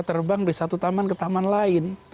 terbang dari satu taman ke taman lain